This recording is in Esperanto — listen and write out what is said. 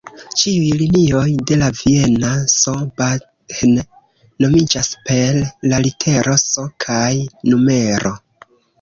Ĉiuj linioj de la viena "S-Bahn" nomiĝas per la litero "S" kaj numero.